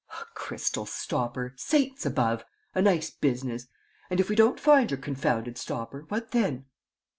"A crystal stopper.... Saints above! A nice business! And, if we don't find your confounded stopper, what then?"